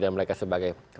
dan mereka sebagai politik